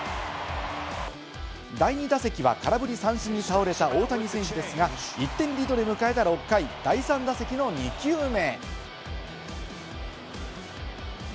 第２打席は空振り三振に倒れた大谷選手ですが、１点リードで迎えた６回、第３打席の２球目。